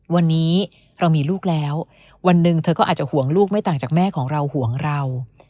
วันนี้เรามีลูกแล้ววันหนึ่งเธอก็อาจจะห่วงลูกไม่ต่างจากแม่ของเราห่วงเรา